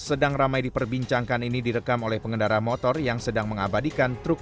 sedang ramai diperbincangkan ini direkam oleh pengendara motor yang sedang mengabadikan truk